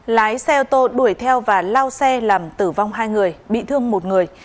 lái xe ô tô đuổi theo và lao xe làm tử vong hai người bị thương một người